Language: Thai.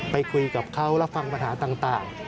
ไปคุยกับเขารับฟังปัญหาต่าง